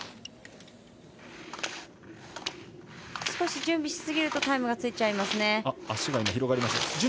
少し準備しすぎるとタイムがついちゃいますね。